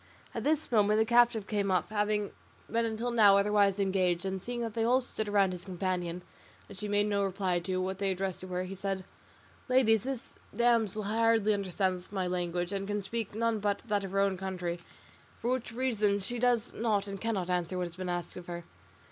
At this moment the captive came up, having been until now otherwise engaged, and seeing that they all stood round his companion and that she made no reply to what they addressed to her, he said, "Ladies, this damsel hardly understands my language and can speak none but that of her own country, for which reason she does not and cannot answer what has been asked of her."